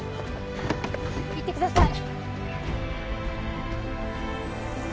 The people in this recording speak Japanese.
行ってください。